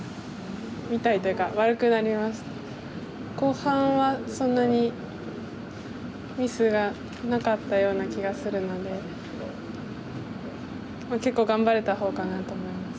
みたいというか後半はそんなにミスがなかったような気がするのでまあ結構頑張れた方かなと思います。